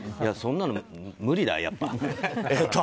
そんなの無理だ、やっぱり。